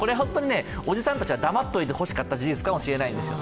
おじさんたちは黙っていてほしかった事実かもしれないんですよ。